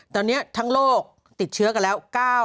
ตอนนี้ทั้งโลกติดเชื้อกันแล้ว